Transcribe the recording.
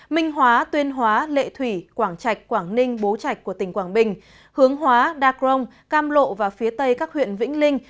minh hóa tuyên hóa lệ thủy quảng trạch quảng ninh bố trạch của tỉnh quảng bình hướng hóa đa crong cam lộ và phía tây các huyện vĩnh linh